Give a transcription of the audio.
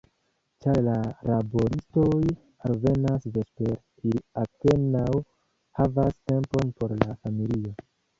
Ĉar la laboristoj alvenas vespere, ili apenaŭ havas tempon por la familio.